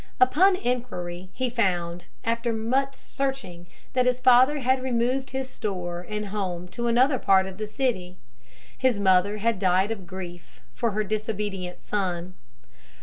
Upon inquiry he found, after much searching, that his father had removed his store and home to another part of the city, his mother had died of grief for her disobedient son.